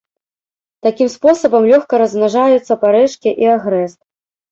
Такім спосабам лёгка размнажаюцца парэчкі і агрэст.